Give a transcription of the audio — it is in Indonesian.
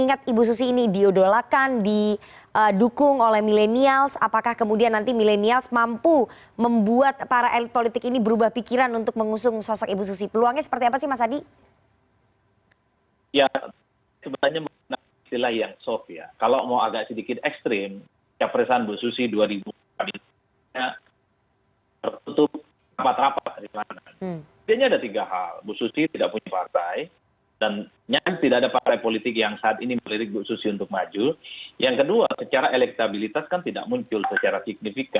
ibu susi ini kan tidak pernah terkenfirmasi